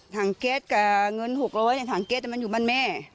ทางเก็ตกับเงิน๖๐๐บาททางเก็ตมันอยู่บ้านแม่